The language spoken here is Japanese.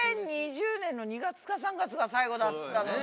２０２０年の２月か３月が最後だったので。